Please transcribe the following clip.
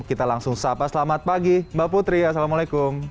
kita langsung sapa selamat pagi mbak putri assalamualaikum